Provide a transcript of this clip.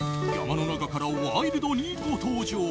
山の中からワイルドにご登場。